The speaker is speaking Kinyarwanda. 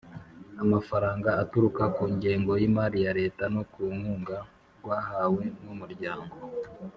amafaranga aturuka ku ngengo y imari ya Leta no ku nkunga rwahawe n Umuryango